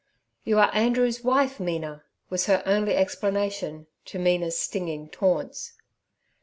'You are Andrew's wife, Mina' was her only explanation to Mina's stinging taunts.